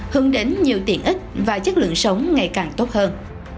hướng đến nhiều tiện ích và chất lượng sống ngày càng tốt hơn